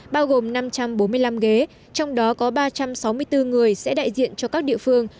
bao gồm năm trăm bốn mươi năm ghế trong đó có ba trăm sáu mươi bốn người sẽ đại diện cho các địa phương